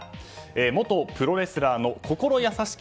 元プロレスラーの心優しき